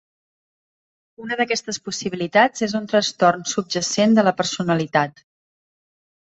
Una d'aquestes possibilitats és un trastorn subjacent de la personalitat.